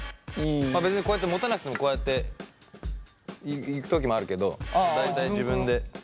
別にこうやって持たなくてもこうやっていく時もあるけど大体自分で。